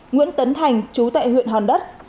nguyễn tấn thành chú tại huyện hòn đất